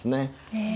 へえ。